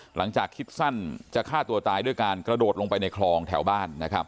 หลังจากคิดสั้นจะฆ่าตัวตายด้วยการกระโดดลงไปในคลองแถวบ้านนะครับ